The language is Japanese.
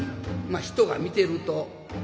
まあ人が見てると。